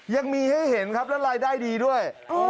ยังมีให้เห็นครับแล้วรายได้ดีด้วย